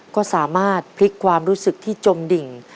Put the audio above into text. ก็สามารถพลิกความรู้สึกที่จมดิ่ง